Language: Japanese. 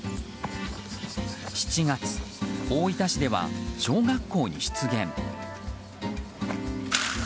７月、大分市では小学校に出現。